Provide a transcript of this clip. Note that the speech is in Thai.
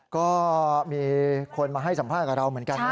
ก็มีคนมาให้สัมภาษณ์กับเราเหมือนกันนะ